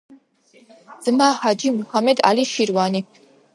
ძმა ჰაჯი მუჰამედ ალი შირვანი.